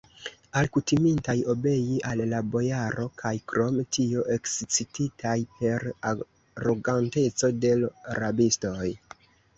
Alkutimintaj obei al la bojaro kaj krom tio ekscititaj per aroganteco de l' rabistoj